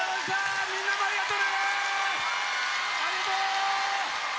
みんなもありがとうね！